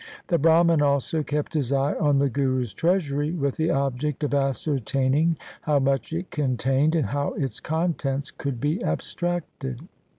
The Brahman also kept his eye on the Guru's treasury with the object of ascertaining how much it contained, and how its contents could be abstracted.